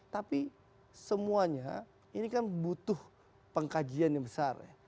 tapi semuanya ini kan butuh pengkajian yang besar ya